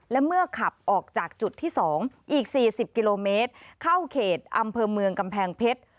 และเมื่อขับออกจากจุดที่๒อีก๔๐กิโลเมตรเข้าเขตอำเภอเมืองกำแพงเพชร